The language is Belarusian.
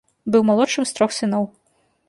Быў малодшым з трох сыноў.